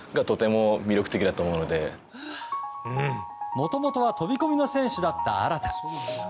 もともとは飛込の選手だった荒田。